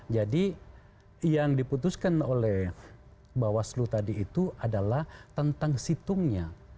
jadi yang diputuskan oleh bawah seluruh tadi itu adalah tentang situngnya